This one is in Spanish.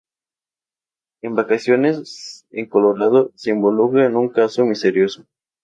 En vacaciones en Colorado, se involucra en un caso misterioso.